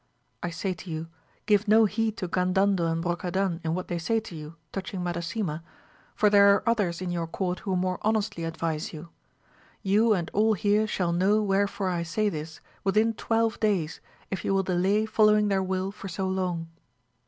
I say to you, give no heed to Gandandel and Brocadan in what they say to you, touching Madasima, for there are AMADIS OF GAUL. 131 others in your court who more honestly advise you ; you and all here shall know wherefore I say this, within twelve days, if you will delay following their wiU for so long.